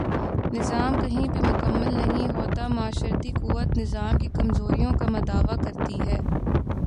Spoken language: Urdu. نظام کہیں بھی مکمل نہیں ہوتا معاشرتی قوت نظام کی کمزوریوں کا مداوا کرتی ہے۔